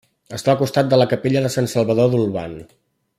Està al costat de la capella de Sant Salvador d'Olvan.